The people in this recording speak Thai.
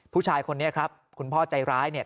ผู้ชายคนนี้ครับคุณพ่อใจร้ายเนี่ย